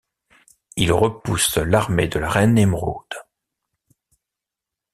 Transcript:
Il repousse l'armée de la reine émeraude.